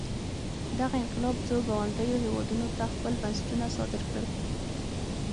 دغه انقلاب څو ګاونډیو هېوادونو ته خپل بنسټونه صادر کړل.